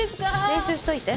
練習しといて。